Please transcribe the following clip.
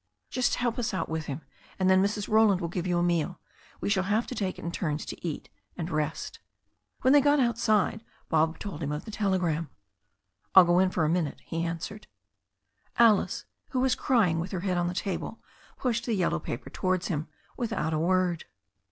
"Just help us out with him, and then Mrs. Roland will give you a meal. We shall have to take it in turns to eat and rest." When they got outside. Bob told him of the telegram. "I'll go in for a minute," he answered. Alice, who was crying with her head on the table, pushed the yellow paper towards him without a word.